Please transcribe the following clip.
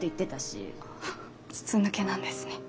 筒抜けなんですね。